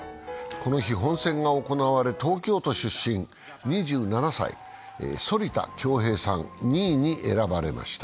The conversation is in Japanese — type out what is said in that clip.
この日、本選が行われ、東京都出身、２７歳、反田恭平が２位に選ばれました。